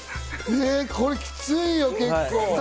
え、これきついよ、結構。